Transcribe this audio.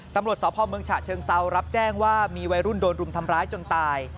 ตำรวจสพเมืองฉะเชิงเซารับแจ้งว่ามีวัยรุ่นโดนรุมทำร้ายจนตาย